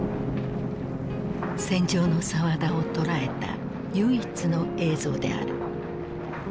戦場の沢田を捉えた唯一の映像である。